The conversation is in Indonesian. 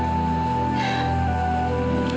aku mau pulang